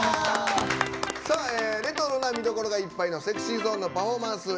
レトロな見どころがいっぱいのＳｅｘｙＺｏｎｅのパフォーマンス